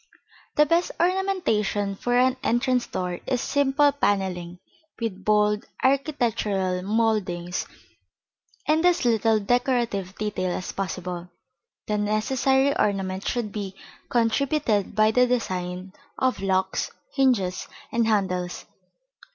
The best ornamentation for an entrance door is simple panelling, with bold architectural mouldings and as little decorative detail as possible. The necessary ornament should be contributed by the design of locks, hinges and handles.